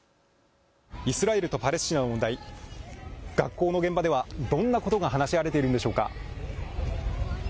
イスラエルとパレスチナの問題、学校の現場ではどんなことが話し合われているのでしょうか。